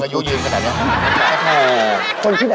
ถ้าเรื่องมือแหน่งฮี้อะไร